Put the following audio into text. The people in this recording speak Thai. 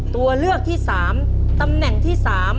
ตัวเลือกที่๓ตำแหน่งที่๓